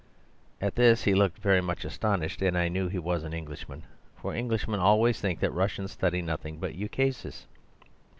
"At this he looked very much astonished, and I knew he was an Englishman; for Englishmen always think that Russians study nothing but 'ukases.